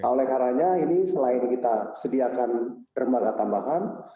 oleh karena ini selain kita sediakan rembaga tambahan